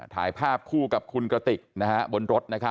ถ่ายภาพคู่กับคุณกระติกบนรถ